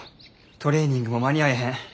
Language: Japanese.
トレーニングも間に合えへん。